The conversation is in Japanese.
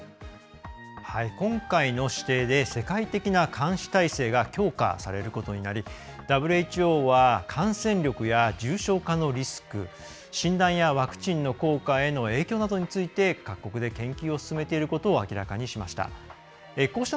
今回の指定で世界的な監視態勢が強化されることになりＷＨＯは感染力や重症化のリスク診断やワクチンの効果への影響などについて各国で研究を進めていることを明らかにしました。